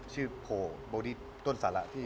ชื่อโบดี้ต้นสาระ